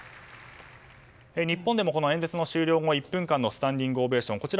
日本でも演説の終了後は１分間のスタンディングオベーション